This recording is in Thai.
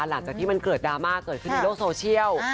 หลังจากที่มันเกิดดราม่าเกิดขึ้นในโลกโซเชียล